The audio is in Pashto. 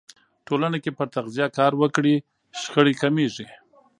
ټولنه که پر تغذیه کار وکړي، شخړې کمېږي.